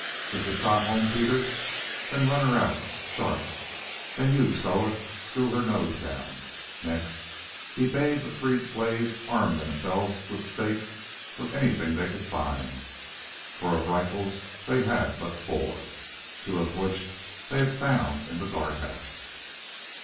Is the shot home, Peter? Then run her out, sharp; and you, Soa, screw her nose down." Next he bade the freed slaves arm themselves with stakes or anything that they could find, for of rifles they had but four, two of which they had found in the guard house.